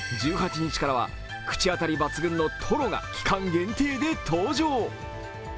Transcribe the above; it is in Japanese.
１８日からは口当たり抜群のとろが期間限定で登場。